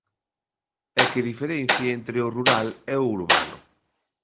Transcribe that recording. E que diferencie entre o rural e o urbano.